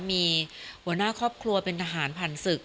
มีหัวหน้าครอบครัวเป็นทหารผ่านศึก